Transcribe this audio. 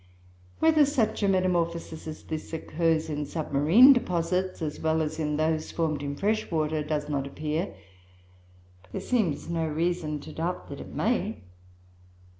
Whether such a metamorphosis as this occurs in submarine deposits, as well as in those formed in fresh water, does not appear; but there seems no reason to doubt that it may.